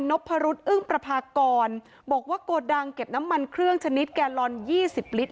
พรุษอึ้งประพากรบอกว่าโกดังเก็บน้ำมันเครื่องชนิดแกลลอน๒๐ลิตร